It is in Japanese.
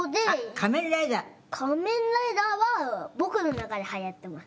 仮面ライダーは僕の中で流行ってます。